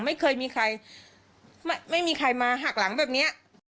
ไม่เคยมีใครไม่มีใครมาหักหลังแบบเนี้ย